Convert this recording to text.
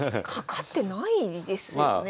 かかってないですよね？